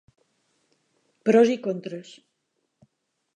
Pros i contres.